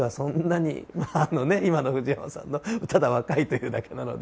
まあ今の藤山さんがただ若いというだけなので。